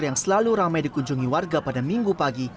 yang selalu ramai dikunjungi warga pada minggu pagi